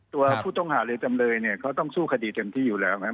ตัวผู้ต้องหาหรือจำเลยเนี่ยเขาต้องสู้คดีเต็มที่อยู่แล้วนะครับ